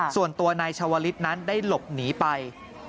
ส่วนตัวในชาวริสต์นั้นได้หลบหนีไป